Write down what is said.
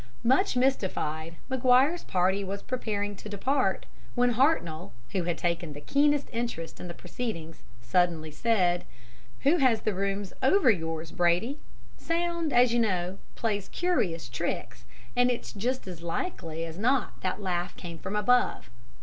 "Much mystified, Maguire's party was preparing to depart, when Hartnoll, who had taken the keenest interest in the proceedings, suddenly said, 'Who has the rooms over yours, Brady? Sound, as you know, plays curious tricks, and it is just as likely as not that laugh came from above.'